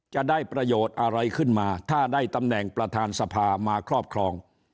จะได้ประโยชน์อะไรขึ้นมาถ้าได้ตำแหน่งประธานสภามาครอบครอง